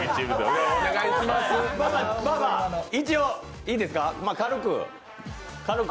一応いいですか、軽く。